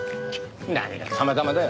何が「たまたま」だよ。